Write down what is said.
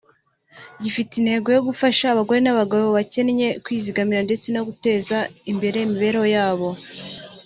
gifite intego yo gufasha abagore n’abagabo bakennye kwizigamira ndetse no guteza imbere imibereho yabo